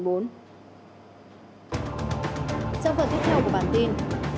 trong phần tiếp theo của bản tin